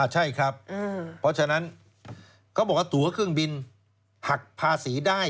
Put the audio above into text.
ใช่ครับเพราะฉะนั้นเขาบอกว่าตัวเครื่องบินหักภาษีได้